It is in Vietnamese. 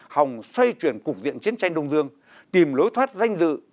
hòng xoay chuyển cục diện chiến tranh đông dương tìm lối thoát danh dự